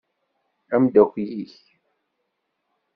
Amdakel-ik.